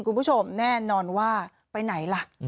คุณผู้ชมแน่นอนว่าไปไหนล่ะ